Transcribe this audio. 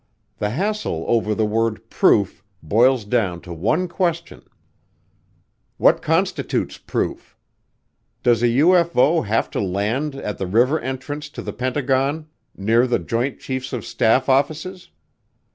The hassle over the word "proof" boils down to one question: What constitutes proof? Does a UFO have to land at the River Entrance to the Pentagon, near the Joint Chiefs of Staff offices?